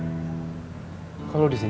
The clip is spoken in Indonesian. tante ayu lumpuh sekarang